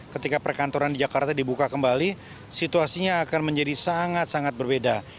ketika perkantoran di jakarta dibuka kembali situasinya akan menjadi sangat sangat berbeda